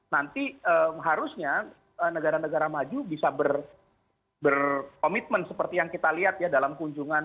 nanti harusnya negara negara maju bisa berkomitmen seperti yang kita lihat ya dalam kunjungan